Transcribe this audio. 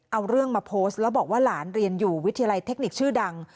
เอาเรื่องมาโพสต์แล้วบอกว่าหลานเรียนอยู่วิทยาลัยเทคนิคชื่อดัง